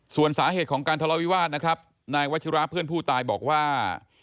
ส่วนสาเหตุของการทะเลาวิวาสนะครับนายวัชิระเพื่อนผู้ตายบอกว่า